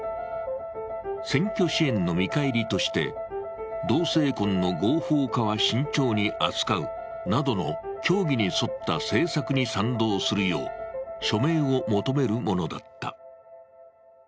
選挙支援の見返りとして、同性婚の合法化は慎重に扱うなどの教義に沿った政策に賛同するよう署名を求めるものだった。